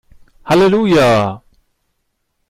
Halleluja!